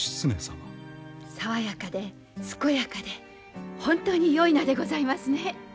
爽やかで健やかで本当によい名でございますね！